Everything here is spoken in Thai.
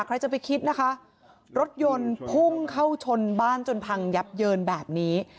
ใครจะไปคิดนะคะรถยนต์พุ่งเข้าชนบ้านจนพังยับเยินแบบนี้